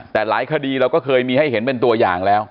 แต่หลายคดีเราก็เคยมีให้เห็นเป็นตัวอย่างแล้ว